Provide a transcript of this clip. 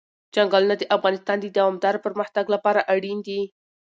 چنګلونه د افغانستان د دوامداره پرمختګ لپاره اړین دي.